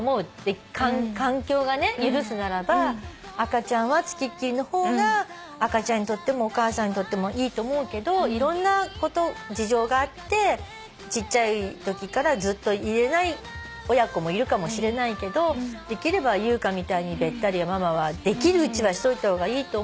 環境が許すならば赤ちゃんは付きっきりの方が赤ちゃんにとってもお母さんにとってもいいと思うけどいろんな事情があってちっちゃいときからずっといれない親子もいるかもしれないけどできれば優香みたいにべったりママはできるうちはしといた方がいいと思うんだ。